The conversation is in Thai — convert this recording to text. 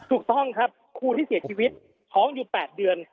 ถูกต้องครับครูที่เสียชีวิตท้องอยู่๘เดือน